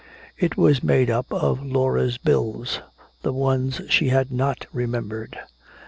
It was made up of Laura's bills, the ones she had not remembered.